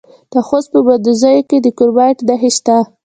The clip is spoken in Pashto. د خوست په مندوزیو کې د کرومایټ نښې شته.